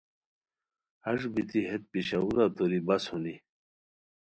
ہݰ بیتی ہیت پشاورا توری بس ہونی